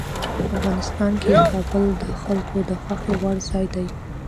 افغانستان کې کابل د خلکو د خوښې وړ ځای دی.